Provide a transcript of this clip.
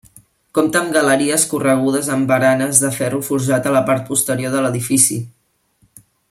Compta amb galeries corregudes amb baranes de ferro forjat a la part posterior de l'edifici.